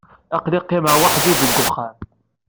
Aql-i qqimeɣ weḥd-i deg uxxam.